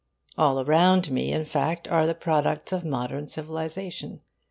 All around me, in fact, are the products of modern civilisation.